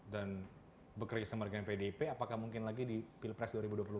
dan bekerja sama dengan pdip apakah mungkin lagi di pilpres dua ribu dua puluh empat